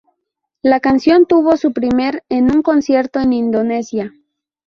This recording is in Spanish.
La canción tuvo su premier en un concierto en Indonesia.